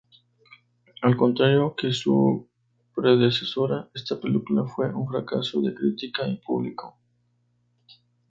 Al contrario que su predecesora; está película fue un fracaso de crítica y público.